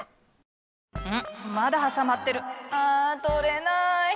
まだはさまってるあ取れない！